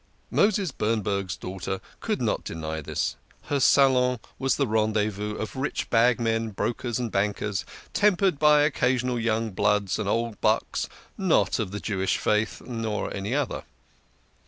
" Moses Bernberg's daughter could not deny this ; her salon was the rendezvous of rich bagmen, brokers and bankers, tempered by occasional young bloods and old bucks not of the Jewish faith (nor any other).